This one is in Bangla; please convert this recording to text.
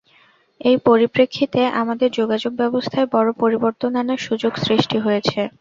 এই পরিপ্রেক্ষিতে আমাদের যোগাযোগব্যবস্থায় বড় পরিবর্তন আনার সুযোগ সৃষ্টি হয়েছে।